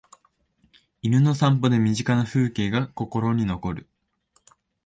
犬の散歩で身近な風景が心に残る